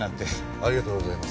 ありがとうございます。